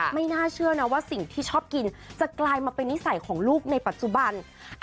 ไม่น่าเชื่อนะว่าสิ่งที่ชอบกินจะกลายมาเป็นนิสัยของลูกในปัจจุบัน